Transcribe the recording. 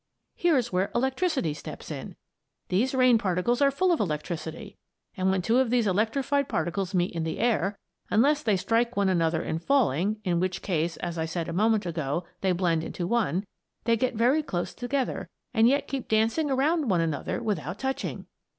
Here's where Electricity steps in. These rain particles are full of electricity and when two of these electrified particles meet in the air unless they strike one another in falling, in which case, as I said a moment ago, they blend into one they get very close together and yet keep dancing around one another without touching!